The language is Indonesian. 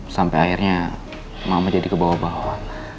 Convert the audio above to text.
sampai akhirnya mama jadi kebawa bawa